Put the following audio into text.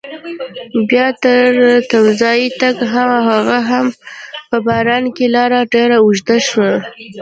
بیا تر تمځایه تګ هغه هم په باران کې لاره ډېره اوږده شوه.